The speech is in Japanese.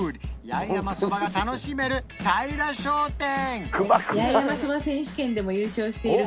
八重山そばが楽しめる平良商店